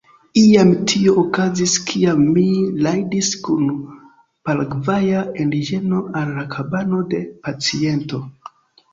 Iam tio okazis, kiam mi rajdis kun paragvaja indiĝeno al la kabano de paciento.